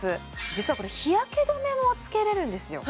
実はこれ日焼け止めもつけられるんですよ